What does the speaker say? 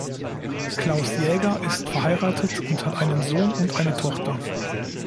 Claus Jäger ist verheiratet und hat einen Sohn und eine Tochter.